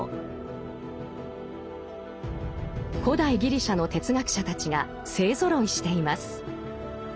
古代ギリシャの哲学者たちが勢ぞろいしています。